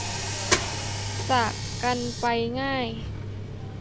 จากกันไปง่าย